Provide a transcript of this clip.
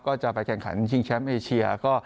ก็จะไปแข่งขันชิงแชมป์เอเชีย